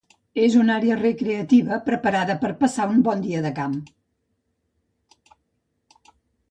És una àrea recreativa preparada per a passar un bon dia de camp.